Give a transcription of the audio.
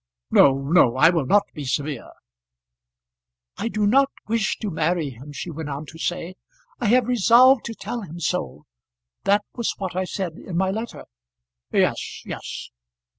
"No, no; I will not be severe." "I do not wish to marry him," she went on to say. "I have resolved to tell him so. That was what I said in my letter." "Yes, yes."